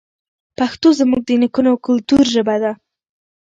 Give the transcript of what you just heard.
پښتو زموږ د نیکونو او کلتور ژبه ده.